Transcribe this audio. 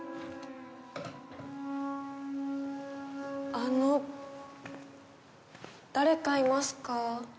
あの誰かいますか？